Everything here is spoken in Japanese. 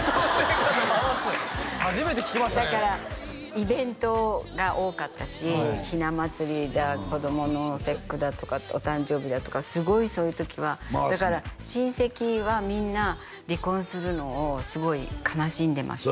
初めて聞きましたねだからイベントが多かったしひな祭りだ子供の節句だとかお誕生日だとかすごいそういう時はだから親戚はみんな離婚するのをすごい悲しんでましたね